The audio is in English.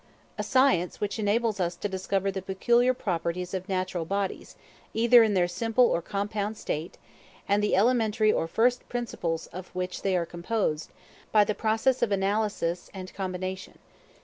A science which enables us to discover the peculiar properties of natural bodies, either in their simple or compound state, and the elementary or first principles of which they are composed, by the processes of analysis and combination.